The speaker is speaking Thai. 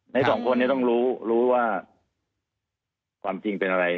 สองคนนี้ต้องรู้รู้ว่าความจริงเป็นอะไร